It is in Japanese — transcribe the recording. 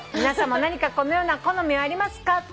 「皆さんも何かこのような好みはありますか？」